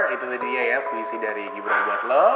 itu tadi dia ya puisi dari gibran buat lo